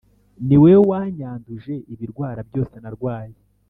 ni wowe wanyanduje ibirwara byose narwaye